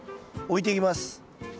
置いていきます。